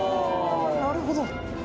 なるほど！